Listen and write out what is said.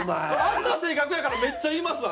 あんな性格やからめっちゃ言います。